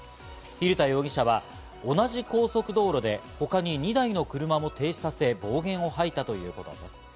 蛭田容疑者は同じ高速道路で他に２台の車も停止させ、暴言をはいたということです。